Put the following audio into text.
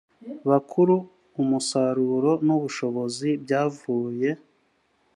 bakuru umusaruro n ubushobozi byavuye